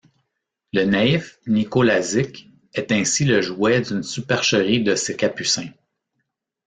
Le naïf Nicolazic est ainsi le jouet d'une supercherie de ces capucins.